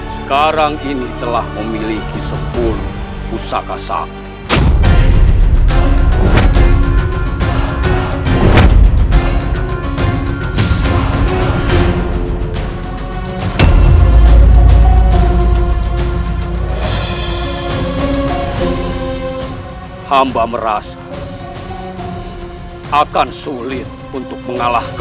sekarang ini telah memiliki sepuluh usaka sejarah